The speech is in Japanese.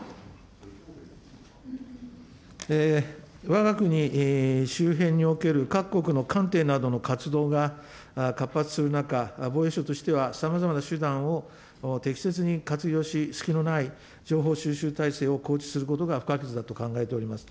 わが国周辺における各国の艦艇などの活動が活発する中、防衛省としてはさまざまな手段を適切に活用し、隙のない情報収集体制を構築することが不可欠だと考えております。